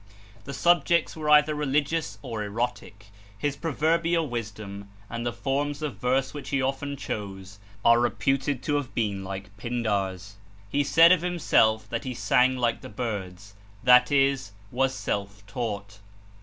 The subjects were either religious or erotic. His proverbial wisdom, and the forms of verse which he often chose, are reputed to have been like Pindar's. He said of himself that he sang like the birds, that is, was self taught.